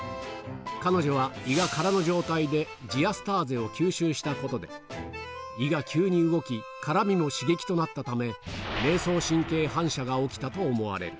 彼女は胃が空の状態でジアスターゼを吸収したことで、胃が急に動き、辛みも刺激となったため、迷走神経反射が起きたと思われる。